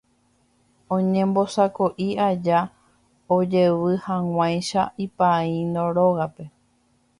Oñembosako'i aja ojevyhag̃uáicha ipaíno rógape.